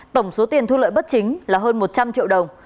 tổng số tiền thu lợi bất chính là hơn một trăm linh triệu đồng